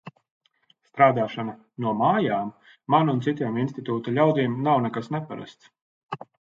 Strādāšana "no mājām" man un citiem institūta ļaudīm nav nekas neparasts.